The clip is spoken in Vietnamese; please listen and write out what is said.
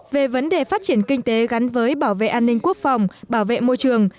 về vấn đề phát triển kinh tế gắn với bảo vệ an ninh quốc phòng bảo vệ môi trường